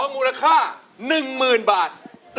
มูลค่า๑หมื่นบาท